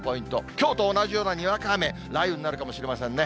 きょうと同じようなにわか雨、雷雨になるかもしれませんね。